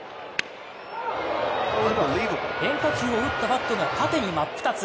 変化球を打ったバットが縦に真っ二つ。